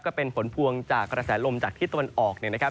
ก็เป็นผลพวงจากกระแสลมจากทิศตะวันออกเนี่ยนะครับ